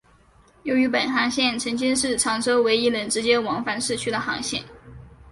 由于本航线曾经是长洲唯一能直接往返市区的航线。